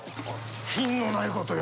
品のないことよ。